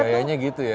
memang gayanya gitu ya